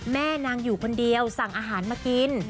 แม่นางอยู่คนเดียวสั่งอาหารมากิน